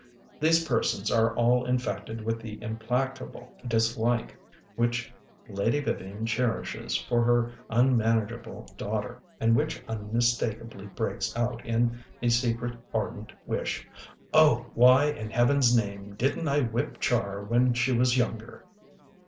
These persons are all infected with the implacable dislike which Lady Vivian cherishes for her unmanageable daughter and which unmistakeably breaks out in a secret, ardent wish: "Oh, why in Heaven's name didn't I whip Char when she was younger!"